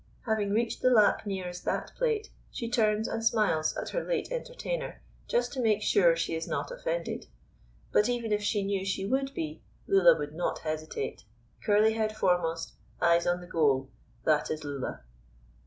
Having reached the lap nearest that plate, she turns and smiles at her late entertainer just to make sure she is not offended. But even if she knew she would be, Lulla would not hesitate. Curly head foremost, eyes on the goal: that is Lulla.